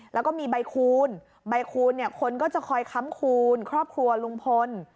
แล้วก็มีใบคูณใบคูณเนี่ยคนก็จะคอยค้ำคูณครอบครัวลุงพล